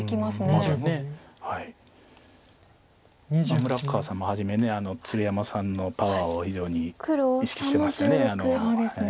村川さんも初め鶴山さんのパワーを非常に意識してましたね。